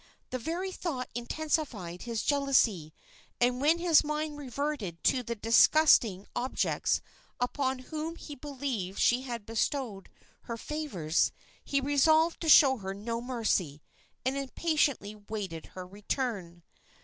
The very thought intensified his jealousy; and when his mind reverted to the disgusting objects upon whom he believed she had bestowed her favors, he resolved to show her no mercy, and impatiently awaited her return.